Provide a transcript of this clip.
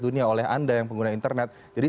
dunia oleh anda yang pengguna internet jadi